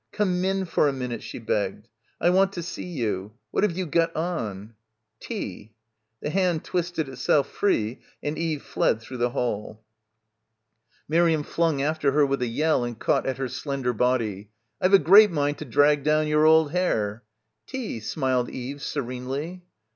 "Come in for a minute," she begged. *I want to see you. What have you got on?" "Tea." The hand twisted itself free and Eve fled through the hall. Miriam flung after her with a yell and caught at her slender body. "I've a great mind to drag down your old hair." "Tea," smiled Eve serenely.